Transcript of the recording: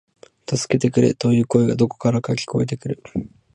助けてくれ、という声がどこからか聞こえてくる